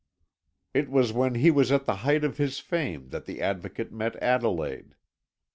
It was when he was at the height of his fame that the Advocate met Adelaide.